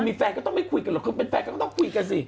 มีแฟนก็ต้องไม่คุยกันหรอกคือเป็นแฟนก็ต้องคุยกันสิ